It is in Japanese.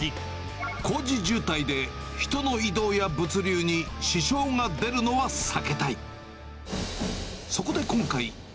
工事渋滞で人の移動や物流に支障が出るのは避けたい。